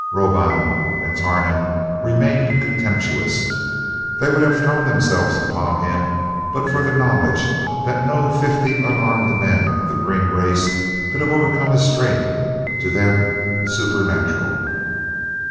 Roban and Tarnan remained contemptuous. They would have thrown themselves upon him, but for the knowledge that no fifty unarmed men of the green race could have overcome his strength to them supernatural.